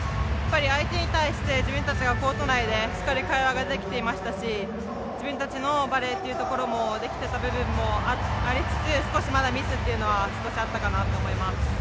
相手に対して自分たちがコート内でしっかり会話ができていましたし自分たちのバレーというところもできていた部分もありつつ、少しまだミスっていうのは少しあったかなと思います。